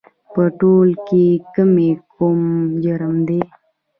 په تول کې کمي کول جرم دی